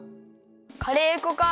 カレー粉か。